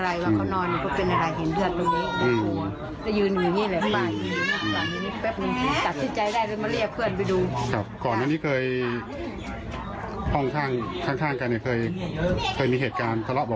ไม่คาดคิดว่าจะมาเกิดเหตุการณ์แบบนี้นะครับ